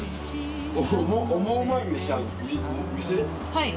はい。